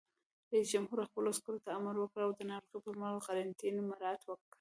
رئیس جمهور خپلو عسکرو ته امر وکړ؛ د ناروغۍ پر مهال قرنطین مراعات کړئ!